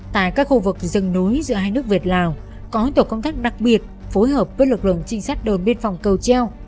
tại các khu vực rừng núi giữa hai nước việt lào có tổ công tác đặc biệt phối hợp với lực lượng trinh sát đồn biên phòng cầu treo